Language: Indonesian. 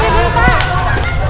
eh kenapa nih